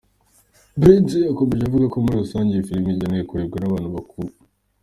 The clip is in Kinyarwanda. Prince yakomeje avuga ko muri rusange iyi filimi igenewe kurebwa n’abantu bakuru.